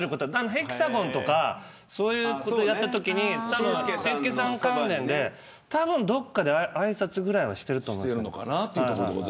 ヘキサゴンとかそういうことをやったときに紳助さん関連でどこかであいさつぐらいはしているのかな。